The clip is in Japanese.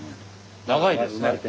長いですね。